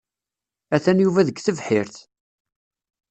Atan Yuba deg tebḥirt.